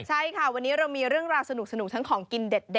ใช่ค่ะวันนี้เรามีเรื่องราวสนุกทั้งของกินเด็ด